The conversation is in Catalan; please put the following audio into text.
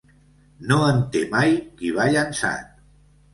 No en té mai qui va llançat.